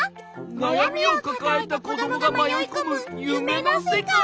なやみをかかえたこどもがまよいこむゆめのせかい。